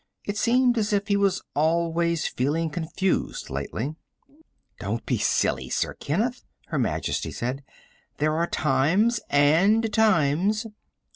It seemed as if he was always feeling confused lately. "Don't be silly, Sir Kenneth," Her Majesty said. "There are times and times."